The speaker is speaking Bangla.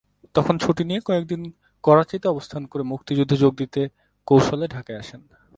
তখন ছুটি নিয়ে কয়েক দিন করাচীতে অবস্থান করে মুক্তিযুদ্ধে যোগ দিতে কৌশলে ঢাকায় আসেন।